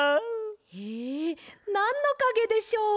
へえなんのかげでしょう？